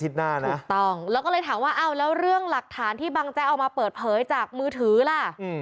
หน้านะถูกต้องแล้วก็เลยถามว่าอ้าวแล้วเรื่องหลักฐานที่บังแจ๊กเอามาเปิดเผยจากมือถือล่ะ